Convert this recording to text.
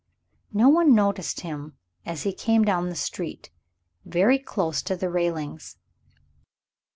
No one noticed him as he came down the street, very close to the railings.